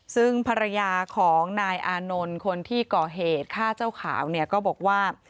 ซึ่งภรรยาของนายอานนท์คนที่ก่อเหตุฆ่าเจ้าขาวเนี่ยก็บอกว่า